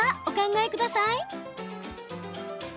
お考えください。